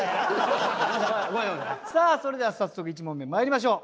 さあそれでは早速１問目まいりましょう。